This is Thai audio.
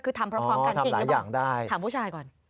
คือทำพร้อมกันจริงหรือเปล่าถามผู้ชายก่อนอ๋อทำหลายอย่างได้